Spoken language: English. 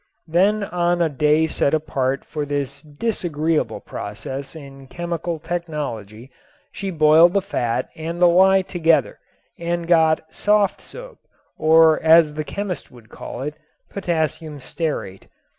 Then on a day set apart for this disagreeable process in chemical technology she boiled the fat and the lye together and got "soft soap," or as the chemist would call it, potassium stearate.